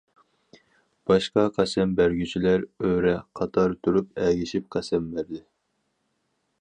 باشقا قەسەم بەرگۈچىلەر ئۆرە قاتار تۇرۇپ، ئەگىشىپ قەسەم بەردى.